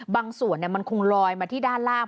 บางส่วนมันคงลอยมาที่ด้านล่าง